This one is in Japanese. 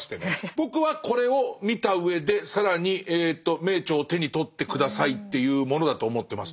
僕はこれを見たうえで更にえと名著を手に取って下さいっていうものだと思ってます。